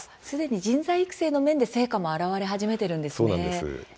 すでに人材育成の面でも成果が現れ始めているということですね。